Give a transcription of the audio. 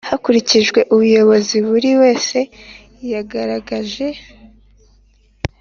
hakurikijwe ubushobozi buri wese yagaragaje m